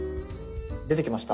出てきました？